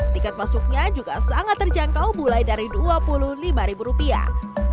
tiket masuknya juga sangat terjangkau mulai dari dua puluh lima ribu rupiah